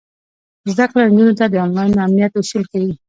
زده کړه نجونو ته د انلاین امنیت اصول ښيي.